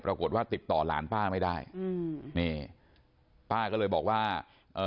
ปรากฏว่าติดต่อหลานป้าไม่ได้อืมนี่ป้าก็เลยบอกว่าเอ่อ